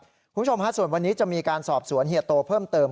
คุณผู้ชมฮะส่วนวันนี้จะมีการสอบสวนเฮียโตเพิ่มเติม